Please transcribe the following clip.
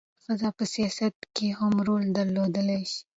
ښځې په سیاست کې هم رول درلودلی شي.